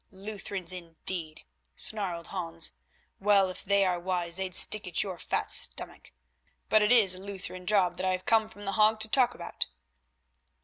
"Lutherans, indeed," snarled Hans; "well, if they are wise they'd stick at your fat stomach; but it is a Lutheran job that I have come from The Hague to talk about."